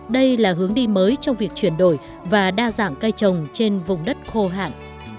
đây là hướng đi mới trong việc chuyển đổi và đa dạng cây trồng trên vùng đất khô hạn